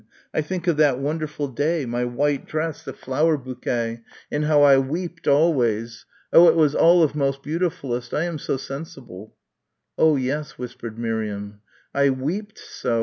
I think of that wonderful day, my white dress, the flower bouquet and how I weeped always. Oh, it was all of most beautifullest. I am so sensible." "Oh, yes," whispered Miriam. "I weeped so!